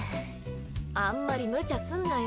あんまりむちゃすんなよ。